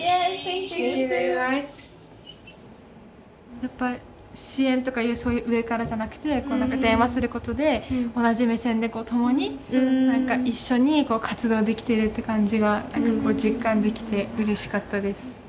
やっぱ支援とかいうそういう上からじゃなくて電話することで同じ目線で共に一緒に活動できてるって感じが実感できてうれしかったです。